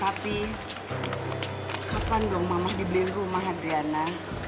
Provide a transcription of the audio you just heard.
tapi kapan dong mama dibeliin rumah adriana